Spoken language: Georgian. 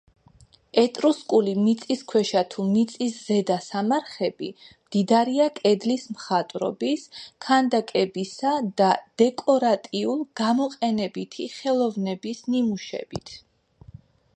ეტრუსკული მიწისქვეშა თუ მიწის ზედა სამარხები მდიდარია კედლის მხატვრობის, ქანდაკებისა და დეკორატიულ-გამოყენებითი ხელოვნების ნიმუშებით.